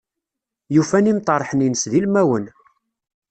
Yufa-n imṭerḥen-ines d ilmawen.